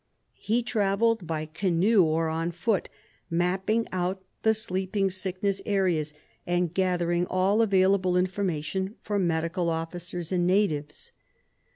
He travelled by canoe or on foot, mapping out the sleeping sickness areas and gathering all available information from medical officers and natives.